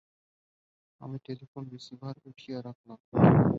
আমি telephone receiver উঠিয়ে রাখলাম।